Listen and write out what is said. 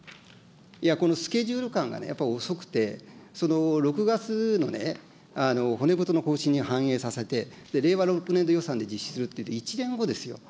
このスケジュール感がね、やっぱり遅くて、その６月の骨太の方針に反映させて、令和６年度予算で実施するというと、１年後ですよ。